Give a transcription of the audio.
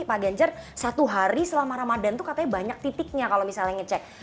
pak ganjar satu hari selama ramadan tuh katanya banyak titiknya kalau misalnya ngecek